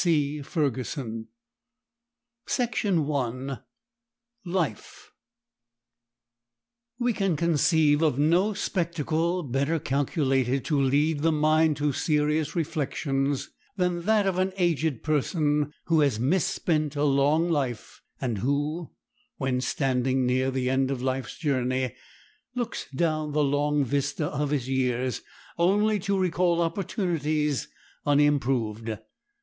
] We can conceive of no spectacle better calculated to lead the mind to serious reflections than that of an aged person, who has misspent a long life, and who, when standing near the end of life's journey, looks down the long vista of his years, only to recall opportunities unimproved.